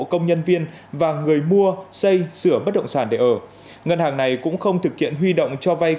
công nhân viên và người mua xây sửa bất động sản để ở ngân hàng này cũng không thực hiện huy động cho vay